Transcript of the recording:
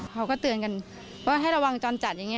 เขาก็เตือนกันว่าให้ระวังจรจัดอย่างนี้